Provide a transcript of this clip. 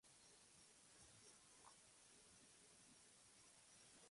El sector servicios está poco especializado, cubriendo sólo las funciones básicas.